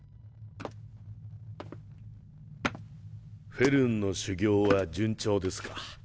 フェルンの修行は順調ですか？